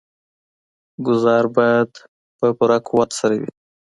ګوزار باید په پوره قوت سره وي.